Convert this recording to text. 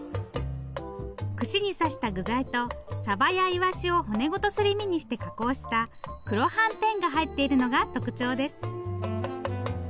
串に刺した具材とサバやイワシを骨ごとすり身にして加工した黒はんぺんが入っているのが特徴です。